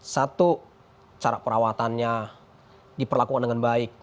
satu cara perawatannya diperlakukan dengan baik